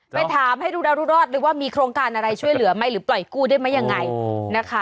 ไปถามให้ดูดารุรอดเลยว่ามีโครงการอะไรช่วยเหลือไหมหรือปล่อยกู้ได้ไหมยังไงนะคะ